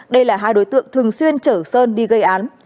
đây là hai đối tượng thường xuyên chở sơn đi gây án